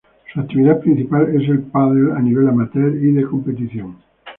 Su actividad principal es el pádel a nivel amateur y de competición.